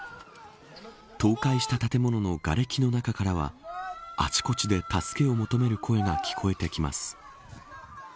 倒壊した建物のがれきの中からはあちこちで助けを求める声が聞こえてきます。